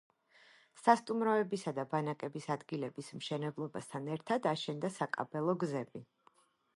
სასტუმროებისა და ბანაკების ადგილების მშენებლობასთან ერთად, აშენდა საკაბელო გზები.